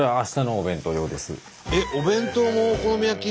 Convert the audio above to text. えっお弁当もお好み焼き？